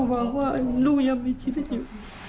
หวังว่าลูกยังมีชีวิตอยู่